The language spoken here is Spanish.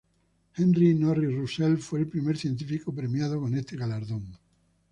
Henry Norris Russell fue el primer científico premiado con este galardón.